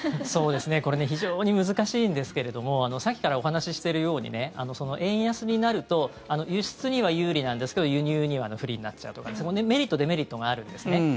そうですね、これね非常に難しいんですけれどもさっきからお話ししてるようにね円安になると輸出には有利なんですけど輸入には不利になっちゃうとかメリット、デメリットがあるんですね。